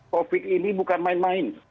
covid ini bukan main main